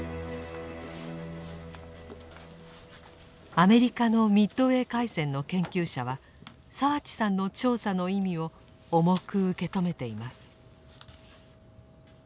アメリカのミッドウェー海戦の研究者は澤地さんの調査の意味を重く受け止めています。